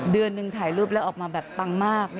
เดือนหนึ่งถ่ายรูปแล้วออกมาแบบปังมาก